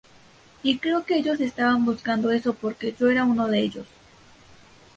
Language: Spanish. Y creo que ellos estaban buscando eso porque yo era uno de ellos!